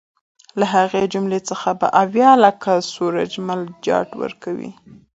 له هغې جملې څخه به اویا لکه سورج مل جاټ ورکوي.